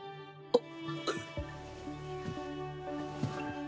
あっ。